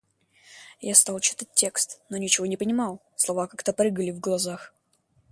Я стал читать текст, но ничего не понимал, слова как-то прыгали в глазах.